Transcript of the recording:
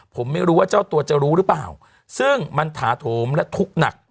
ผมไม่รู้ว่าเจ้าตัวจะรู้หรือเปล่าซึ่งมันถาโถมและทุกข์หนัก